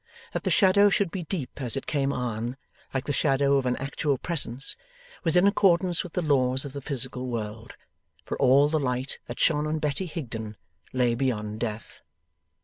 That the shadow should be deep as it came on, like the shadow of an actual presence, was in accordance with the laws of the physical world, for all the Light that shone on Betty Higden lay beyond Death.